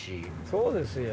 そうですよ。